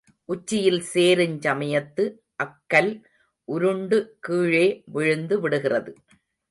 உச்சியில் சேருஞ் சமயத்து அக்கல் உருண்டு கீழே விழுந்து விடுகிறது.